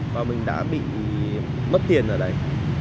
và mình đã bị mất tiền ở đây